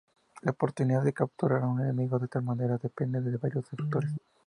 La oportunidad de capturar a un enemigo de esta manera depende de varios factores.